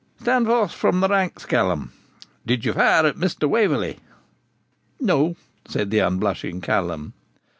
'Stand forth from the ranks, Callum! Did you fire at Mr. Waverley?' 'No,' answered the unblushing Callum.